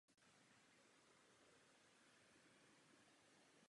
Autorem obalu singlu je Rick Myers.